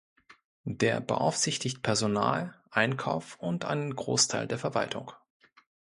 Der beaufsichtigt Personal, Einkauf und einen Großteil der Verwaltung.